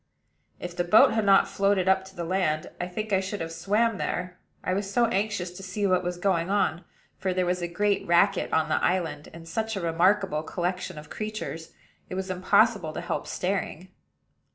If the boat had not floated up to the land, I think I should have swam there, I was so anxious to see what was going on; for there was a great racket on the island, and such a remarkable collection of creatures, it was impossible to help staring.